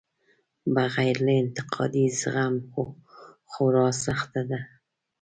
بغیر له انتقادي زغم خورا سخته ده.